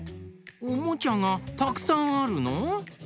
おもちゃがたくさんあるの！？